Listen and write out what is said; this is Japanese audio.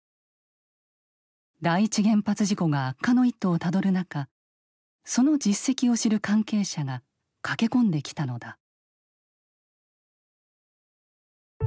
第一原発事故が悪化の一途をたどる中その実績を知る関係者が駆け込んできたのだ。